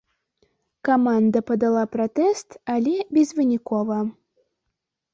Каманда падала пратэст, але безвынікова.